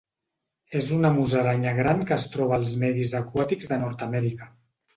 És una musaranya gran que es troba als medis aquàtics de Nord-amèrica.